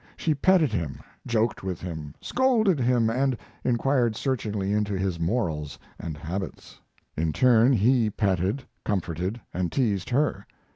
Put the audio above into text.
She petted him, joked with him, scolded him, and inquired searchingly into his morals and habits. In turn he petted, comforted, and teased her.